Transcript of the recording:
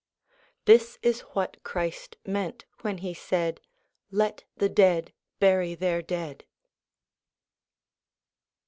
This is what Christ meant when he said ' Let the dead bury their dead.'